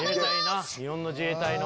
日本の自衛隊の。